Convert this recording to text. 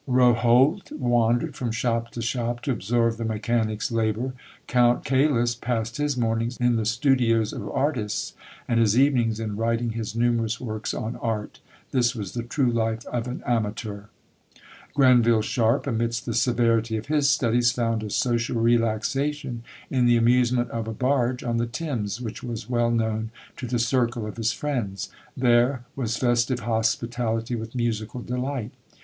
Rohault wandered from shop to shop to observe the mechanics labour; Count Caylus passed his mornings in the studios of artists, and his evenings in writing his numerous works on art. This was the true life of an amateur. Granville Sharp, amidst the severity of his studies, found a social relaxation in the amusement of a barge on the Thames, which was well known to the circle of his friends; there, was festive hospitality with musical delight.